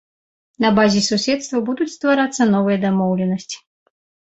На базе суседства будуць стварацца новыя дамоўленасці.